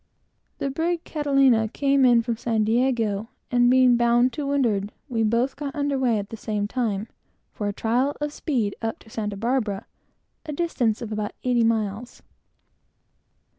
The brig Catalina came in from San Diego, and being bound up to windward, we both got under weigh at the same time, for a trial of speed up to Santa Barbara, a distance of about eighty miles.